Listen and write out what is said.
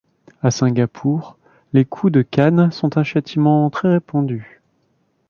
À Singapour, les coups de canne sont un châtiment très répandu.